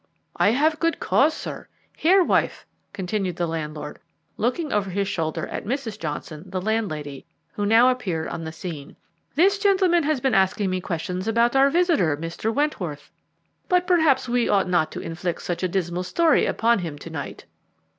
"I have good cause, sir. Here, wife," continued the landlord, looking over his shoulder at Mrs. Johnson, the landlady, who now appeared on the scene, "this gentleman has been asking me questions about our visitor, Mr. Wentworth, but perhaps we ought not to inflict such a dismal story upon him to night."